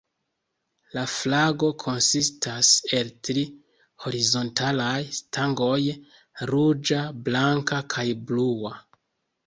La flago konsistas el tri horizontalaj stangoj: ruĝa, blanka kaj blua.